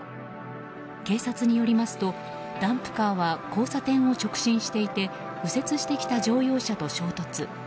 警察によりますとダンプカーは交差点を直進していて右折してきた乗用車と衝突。